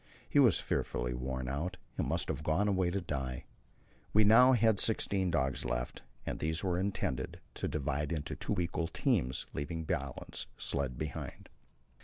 He was fearfully worn out, and must have gone away to die. We now had sixteen dogs left, and these we intended to divide into two equal teams, leaving Bjaaland's sledge behind.